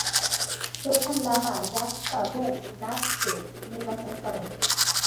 প্রধান লামা গ্রাগ্স-পা-'ব্যুং-গ্নাসকে নির্বাচন করেন।